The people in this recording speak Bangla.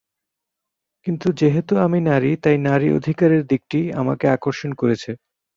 কিন্তু যেহেতু আমি নারী তাই নারীর অধিকারের দিকটি আমার আকর্ষণ করেছে।